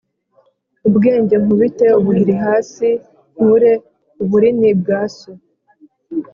ubwenge nkubite ubuhiri hasi nkure uburini bwa so